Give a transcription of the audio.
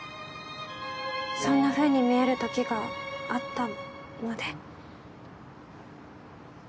そんなふうに見える時があったので。